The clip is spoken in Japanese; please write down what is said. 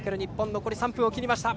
残り３分を切りました。